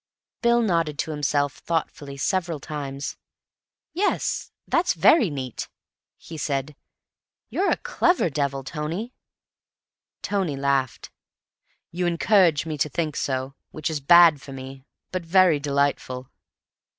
Bill nodded to himself thoughtfully several times. "Yes, that's very neat," he said. "You're a clever devil, Tony." Tony laughed. "You encourage me to think so, which is bad for me, but very delightful."